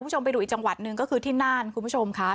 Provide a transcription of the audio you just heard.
คุณผู้ชมไปดูอีกจังหวัดหนึ่งก็คือที่น่านคุณผู้ชมค่ะ